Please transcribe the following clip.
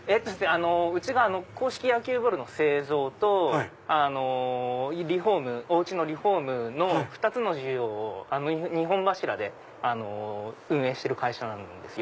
うちが硬式野球ボールの製造とおうちのリフォームの２つの事業を２本柱で運営してる会社なんですよ。